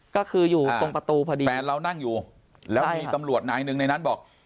ก็คืออยู่ตรงประตูพอดีแฟนเรานั่งอยู่แล้วมีตำรวจนายหนึ่งในนั้นบอก